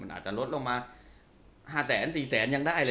มันอาจจะลดลงมาห้าแสนสี่แสนยังได้เลยใช่